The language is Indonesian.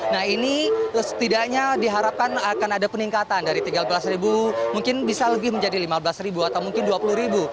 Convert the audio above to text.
nah ini setidaknya diharapkan akan ada peningkatan dari tiga belas ribu mungkin bisa lebih menjadi lima belas ribu atau mungkin dua puluh ribu